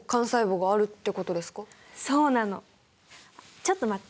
ちょっと待って。